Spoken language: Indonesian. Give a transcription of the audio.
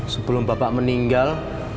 sebelum bapak meninggal